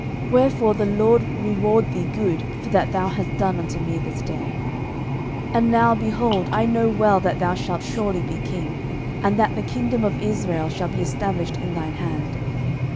wherefore the LORD reward thee good for that thou hast done unto me this day. 09:024:020 And now, behold, I know well that thou shalt surely be king, and that the kingdom of Israel shall be established in thine hand.